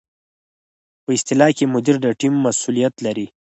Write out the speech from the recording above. په اصطلاح کې مدیر د ټیم مسؤلیت لري.